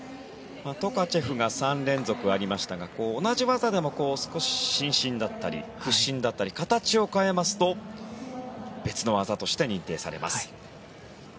トカチェフが３連続ありましたが同じ技でも少し伸身だったり屈身だったり形を変えますと別の技として認定されます。